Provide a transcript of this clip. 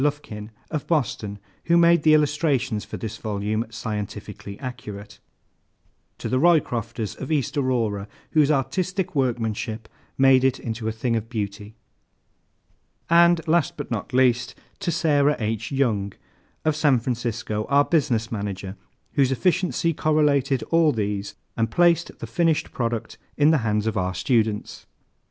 LUFKIN, of Boston, who made the illustrations for this volume scientifically accurate. To THE ROYCROFTERS, of East Aurora, whose artistic workmanship made it into a thing of beauty. And last but not least, To SARAH H. YOUNG, of San Francisco, our Business Manager, whose efficiency correlated all these and placed the finished product in the hands of our students.